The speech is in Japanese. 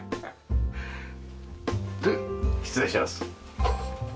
で失礼します。